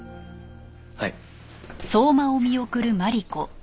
はい。